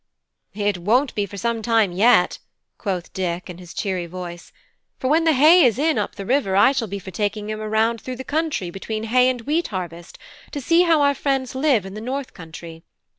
"It won't be for some time yet," quoth Dick, in his cheery voice; "for when the hay is in up the river, I shall be for taking him a round through the country between hay and wheat harvest, to see how our friends live in the north country.